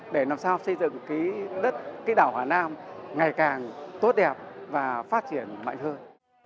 để làm sao xây dựng đất đảo hà nam ngày càng tốt đẹp và phát triển mạnh hơn